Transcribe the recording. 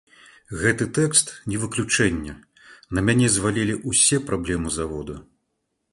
Гэты тэкст не выключэнне, на мяне звалілі ўсе праблемы завода.